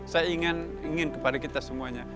saya ingin kepada kita semuanya